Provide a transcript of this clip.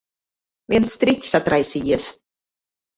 Viens striķis atraisījies.